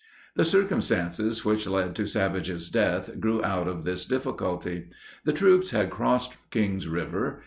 The circumstances which led to Savage's death grew out of this difficulty. The troops had crossed Kings River.